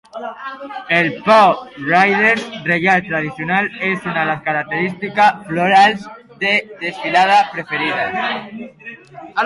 El "pau riders" reial tradicional és una de les característica florals de desfilada preferides.